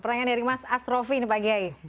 pertanyaan dari mas asrofi ini pak kiai